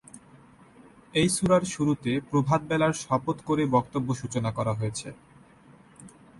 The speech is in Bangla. এই সূরার শুরুতে প্রভাত বেলার শপথ করে বক্তব্য সূচনা করা হয়েছে।